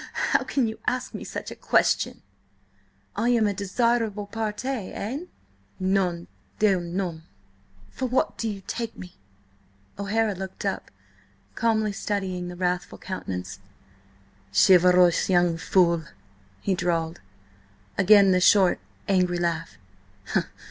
"How can you ask me such a question? I am a desirable parti, hein? Nom d'un nom! For what do you take me?" O'Hara looked up, calmly studying the wrathful countenance. "Chivalrous young fool," he drawled. Again the short, angry laugh.